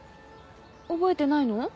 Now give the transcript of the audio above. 覚えてないの？